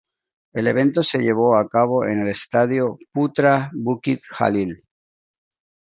El evento se llevó a cabo en el estadio Putra Bukit Jalil.